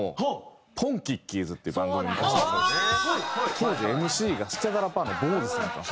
当時ＭＣがスチャダラパーのＢｏｓｅさん。